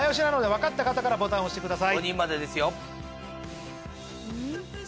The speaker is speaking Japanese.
分かった方からボタン押してください。